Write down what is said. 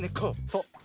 そう。